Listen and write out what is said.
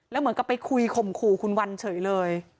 แล้วเหมือนกับไปคุยข่มขู่คุณวันเฉยเลย